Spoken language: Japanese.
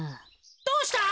どうした？